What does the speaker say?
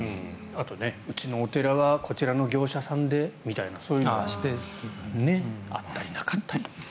あとは、うちのお寺はこちらの業者さんでみたいなのがあったりなかったり。